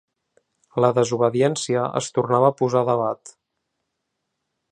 La desobediència es tornava a posar a debat.